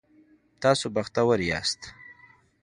تاسو بختور یاست